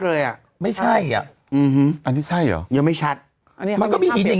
เลยอ่ะไม่ใช่อ่ะอืมอันนี้ใช่เหรอยังไม่ชัดอันนี้มันก็มีหินอย่าง